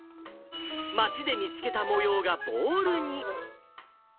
街で見つけた模様がボールに。